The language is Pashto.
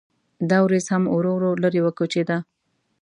دا وریځ هم ورو ورو لرې وکوچېده.